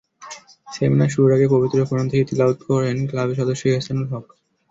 Seminar শুরুর আগে পবিত্র কোরআন থেকে তিলাওয়াত করেন ক্লাবের সদস্য এহসানুল হক।